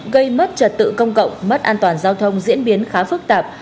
gây mất trật tự công cộng mất an toàn giao thông diễn biến khá phức tạp